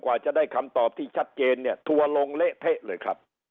กว่าจะได้คำตอบที่ชัดเจนเนี่ยทัวร์ลงเละเทะเลยครับ